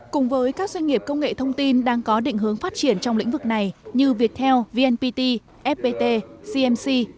cùng với các doanh nghiệp công nghệ thông tin đang có định hướng phát triển trong lĩnh vực này như viettel vnpt fpt cmc